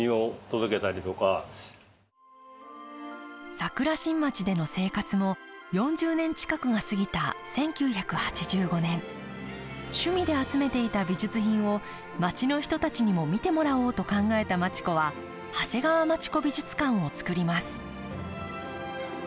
桜新町での生活も４０年近くが過ぎた１９８５年趣味で集めていた美術品を町の人たちにも見てもらおうと考えた町子は長谷川町子美術館を作ります。